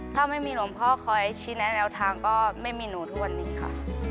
ถ้าไม่มีหลวงพ่อคอยชี้แนะแนวทางก็ไม่มีหนูทุกวันนี้ค่ะ